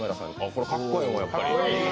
これかっこええな、やっぱり。